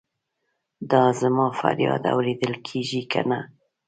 دا زما فریاد اورېدل کیږي کنه؟